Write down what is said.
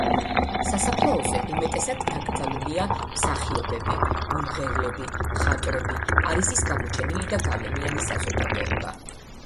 სასაფლაოზე უმეტესად დაკრძალულია მსახიობები, მომღერლები, მხატვრები, პარიზის გამოჩენილი და გავლენიანი საზოგადოება.